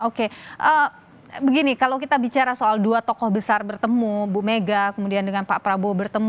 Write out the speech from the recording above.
oke begini kalau kita bicara soal dua tokoh besar bertemu bu mega kemudian dengan pak prabowo bertemu